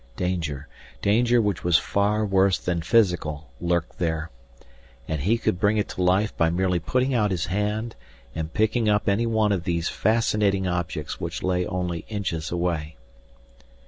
Danger, danger which was far worse than physical, lurked there. And he could bring it to life by merely putting out his hand and picking up any one of those fascinating objects which lay only inches away.